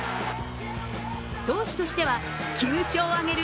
投手としては９勝を挙げる